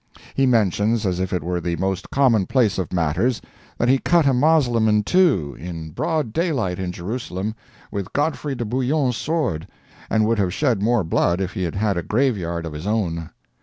He mentions, as if it were the most commonplace of matters, that he cut a Moslem in two in broad daylight in Jerusalem, with Godfrey de Bouillon's sword, and would have shed more blood if he had had a graveyard of his own.